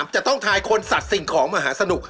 จะต้องทายคนสัตว์สิ่งของมหาสนุก